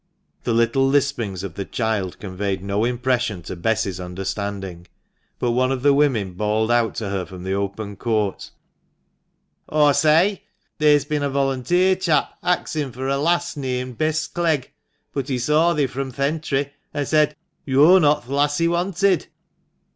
The little lispings of the child conveyed no impression to Bess's understanding, but one of the women bawled out to her from the open court "Aw say, theer's bin a volunteer chap axin' fur a lass neamed Bess Clegg, but he saw thee from th' entry, and said yo're not th' lass he wanted